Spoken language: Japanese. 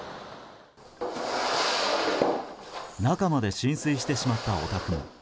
中まで浸水してしまったお宅も。